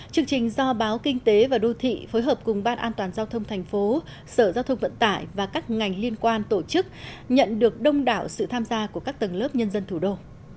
chương trình do báo kinh tế và đô thị phối hợp cùng ban an toàn giao thông thành phố sở giao thông vận tải và các ngành liên quan tổ chức nhận được đông đảo sự tham gia của các tầng lớp nhân dân thủ đô